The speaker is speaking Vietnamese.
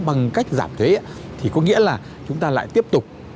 bằng cách giảm thế thì có nghĩa là chúng ta lại tiếp tục